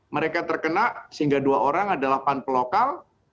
mereka terkena sehingga dua orang adalah panpel lokal